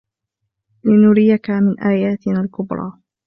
لِنُرِيَكَ مِنْ آيَاتِنَا الْكُبْرَى